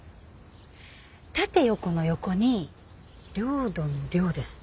縦横の「横」に領土の「領」です。